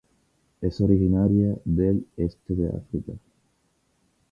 Es originaria del este de África.